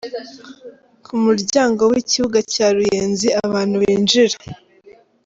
Ku muryango w'ikibuga cya Ruyenzi abantu binjira.